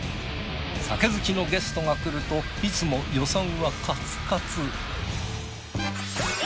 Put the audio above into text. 酒好きのゲストが来るといつも予算はカツカツ。